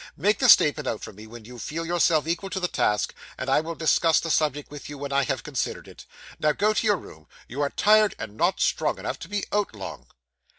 Make the statement out for me when you feel yourself equal to the task, and I will discuss the subject with you when I have considered it. Now, go to your room. You are tired, and not strong enough to be out long.